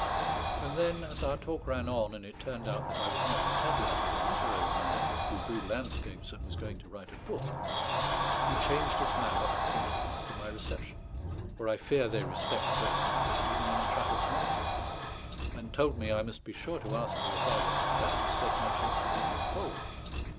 And then, as our talk ran on, and it turned out that I was not a pedlar, but a literary man, who drew landscapes and was going to write a book, he changed his manner of thinking as to my reception (for I fear they respect persons even in a Trappist monastery), and told me I must be sure to ask for the Father Prior, and state my case to him in full.